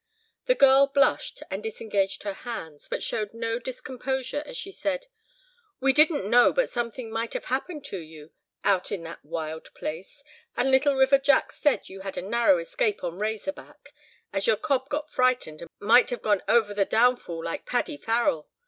The girl blushed and disengaged her hands, but showed no discomposure as she said, "We didn't know but something might have happened to you, out in that wild place, and Little River Jack said you had a narrow escape on 'Razor Back,' as your cob got frightened and might have gone over the downfall like Paddy Farrell.